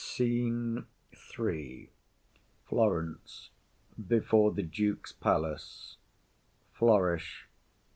_] SCENE III. Florence. Before the Duke's palace. Flourish.